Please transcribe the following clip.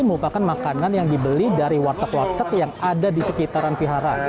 merupakan makanan yang dibeli dari warteg warteg yang ada di sekitaran pihara